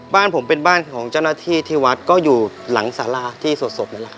บ้านผมเป็นบ้านของเจ้าหน้าที่ที่วัดก็อยู่หลังสาราที่สวดศพนั่นแหละครับ